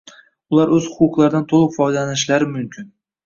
Ular o'z huquqlaridan to'liq foydalanishlari mumkin